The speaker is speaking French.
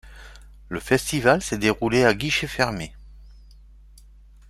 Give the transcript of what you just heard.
Le festival s'est déroulé à guichets fermés.